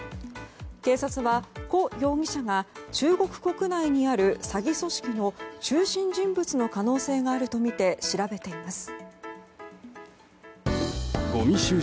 警察はコ容疑者が中国国内にある詐欺組織の中心人物の可能性があるとみて調べています。